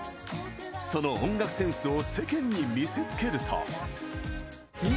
その音楽センスを世間に見せつけると。